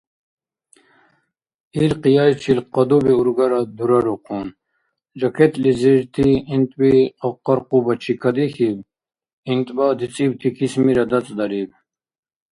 Ил къияйчил кьадуби-ургарад дурарухъун, жакетлизирти гӀинтӀби къаркъубачи кадихьиб, гӀинтӀба дицӀибти кисмира дацӀдариб.